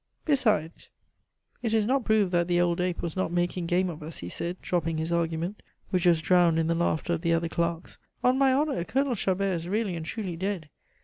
"Besides, it is not proved that that old ape was not making game of us," he said, dropping his argument, which was drowned in the laughter of the other clerks. "On my honor, Colonel Chabert is really and truly dead.